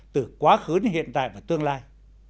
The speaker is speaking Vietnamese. từ quá khứ đến hiện tại và tương lai